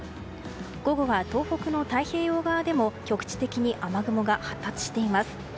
午後は東北の太平洋側でも局地的に雨雲が発達しています。